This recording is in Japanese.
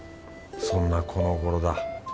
そんなこのごろだ